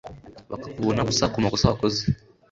bakakubona gusa ku makosa wakoze